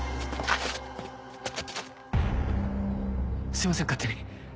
すいません勝手に。